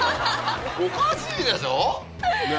おかしいでしょねぇ！